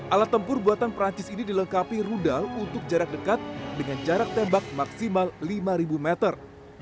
alat tempur buatan perancis ini dilengkapi rudal untuk jarak dekat dengan jarak tembak maksimal lima meter